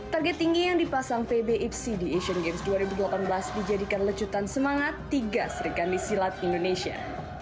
target tinggi yang dipasang pb ipc di asian games dua ribu delapan belas dijadikan lecutan semangat tiga serikandi silat indonesia